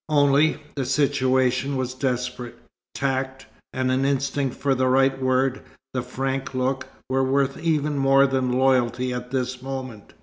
Only the situation was desperate. Tact, and an instinct for the right word, the frank look, were worth even more than loyalty at this moment.